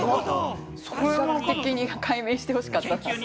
医学的に解明してほしかった。